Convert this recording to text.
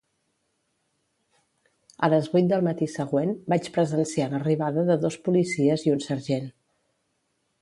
A les vuit del matí següent vaig presenciar l'arribada de dos policies i un sergent.